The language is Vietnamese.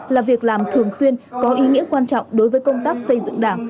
là việc làm thường xuyên có ý nghĩa quan trọng đối với công tác xây dựng đảng